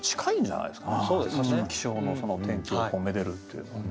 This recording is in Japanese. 気象の天気をめでるっていうのはね。